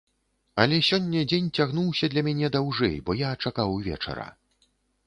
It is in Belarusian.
Але сёння дзень цягнуўся для мяне даўжэй, бо я чакаў вечара.